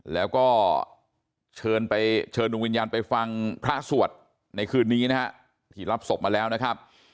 แล้วก็เชิญดุงวิญญาณไปฟังพระสวรรค์ในคืนนี้ที่รับศพมาแล้วนะครับ